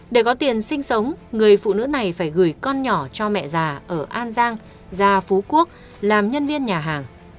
để có tiền sinh sống người phụ nữ này phải gửi con nhỏ cho mẹ già ở an giang ra phú quốc làm nhân viên nhà hàng